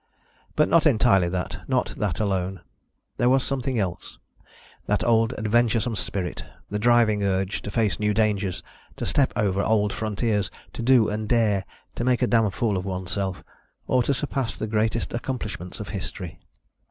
But not entirely that, not that alone. There was something else that old adventuresome spirit, the driving urge to face new dangers, to step over old frontiers, to do and dare, to make a damn fool of one's self, or to surpass the greatest accomplishments of history.